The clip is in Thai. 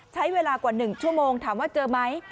ใช้เวลากว่า๑ชั่วโมงถามว่าเจอไหม